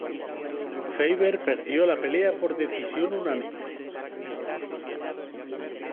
Faber perdió la pelea por decisión unánime.